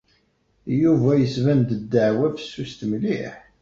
Yuba yesban-d ddeɛwa fessuset mliḥ.